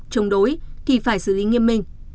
chống đối thì phải xử lý nghiêm minh